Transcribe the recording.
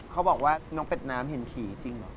เขาบอกว่าน้องเป็ดน้ำเห็นผีจริงเหรอ